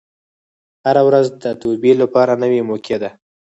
هره ورځ د توبې لپاره نوې موقع ده.